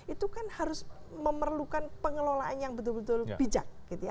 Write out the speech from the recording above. itu kan harus memerlukan pengelolaan yang betul betul bijak